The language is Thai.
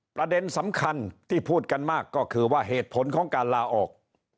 ประเด็นสำคัญที่พูดกันมากก็คือว่าเหตุผลของการลาออก